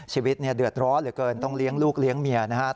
ชีวิตเนี่ยเดือดร้อนเหลือเกินต้องเลี้ยงลูกเลี้ยงเมียนะครับ